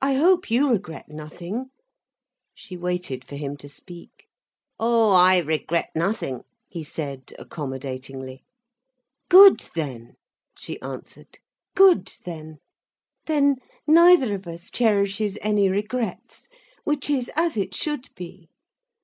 I hope you regret nothing—" She waited for him to speak. "Oh, I regret nothing," he said, accommodatingly. "Good then," she answered, "good then. Then neither of us cherishes any regrets, which is as it should be."